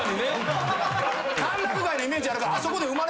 歓楽街のイメージあるからあそこで生まれんのかなと。